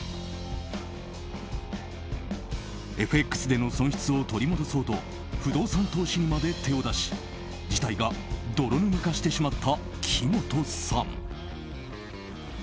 ＦＸでの損失を取り戻そうと不動産投資にまで手を出し事態が泥沼化してしまった木本さん。